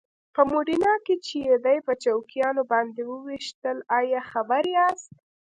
په موډینا کې چې یې دی په چوکیانو باندې وويشتل ایا خبر یاست؟